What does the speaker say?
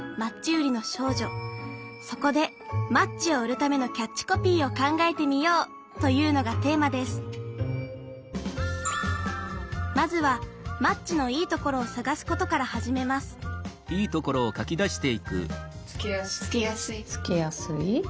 そこでマッチを売るためのキャッチコピーを考えてみようというのがテーマですまずはマッチのいいところを探すことから始めますつけやすい。